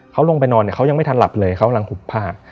เขาลงไปนอนเนี่ยเขายังไม่ทันหลับเลยเขากำลังหุบผ้า